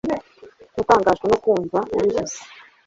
Natangajwe no kumva ubivuze